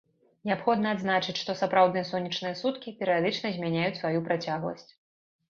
Неабходна адзначыць, што сапраўдныя сонечныя суткі перыядычна змяняюць сваю працягласць.